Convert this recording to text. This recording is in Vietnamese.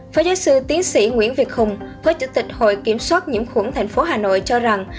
phó giáo sư tiến sĩ nguyễn việt hùng phó chủ tịch hội kiểm soát nhiễm khuẩn tp hà nội cho rằng